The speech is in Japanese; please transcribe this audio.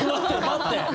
待って！